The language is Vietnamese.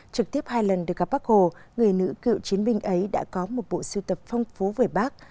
trực tiếp hai lần được gặp bác hồ người nữ cựu chiến binh ấy đã có một bộ siêu tập phong phú về bác